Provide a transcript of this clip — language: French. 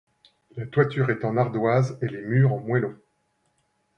La toiture est en ardoise et les murs en moellons.